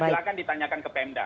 silahkan ditanyakan ke pemda